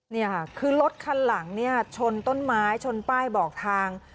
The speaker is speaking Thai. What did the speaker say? นี่ค่ะคือรถคันหลังเนี่ยชนต้นไม้ชนป้ายบอกทาง